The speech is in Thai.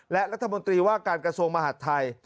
และรัฐมนตรีว่าการกระทรวงมหาดไทย